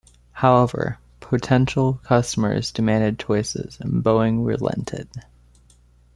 However, potential customers demanded choices and Boeing relented.